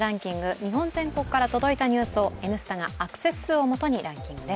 日本全国から届いたニュースを「Ｎスタ」がアクセス数でランキングです。